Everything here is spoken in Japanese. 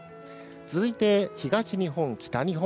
続いて東日本、北日本。